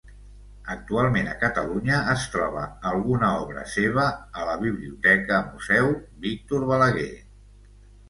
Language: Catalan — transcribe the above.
Actualment a Catalunya es troba alguna obra seva a la Biblioteca Museu Víctor Balaguer.